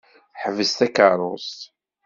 Ḥbes takeṛṛust!